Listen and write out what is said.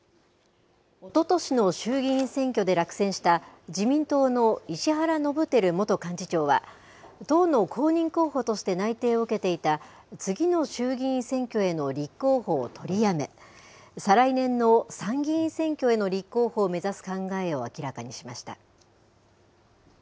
おととしの衆議院選挙で落選した、自民党の石原伸晃元幹事長は、党の公認候補として内定を受けていた、次の衆議院選挙への立候補を取りやめ、再来年の参議院選挙への立候補を目指す考えを明らかにしました。